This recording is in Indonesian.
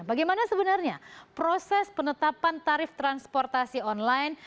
bagaimana sebenarnya proses penetapan tarif transportasi online